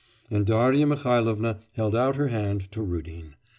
And Darya Mihailovna held out her hand to Rudin.